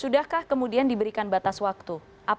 sudahkah kemudian diberikan batas waktu